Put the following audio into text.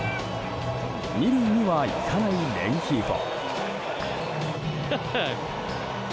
２塁には行かないレンヒーフォ。